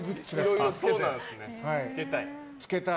つけたい。